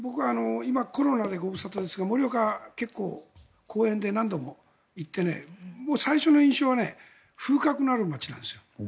僕は今、コロナでご無沙汰ですが盛岡、結構講演で何度も行って最初の印象は風格のある町なんです。